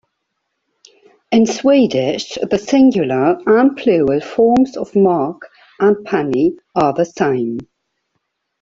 In Swedish, the singular and plural forms of mark and penni are the same.